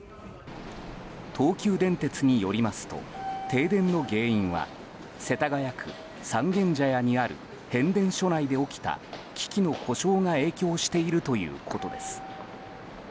東急電鉄によりますと停電の原因は世田谷区三軒茶屋にある変電所内で起きた機器の故障が影響しているということです。